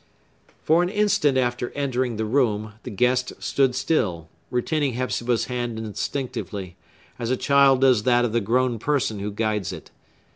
For an instant after entering the room, the guest stood still, retaining Hepzibah's hand instinctively, as a child does that of the grown person who guides it.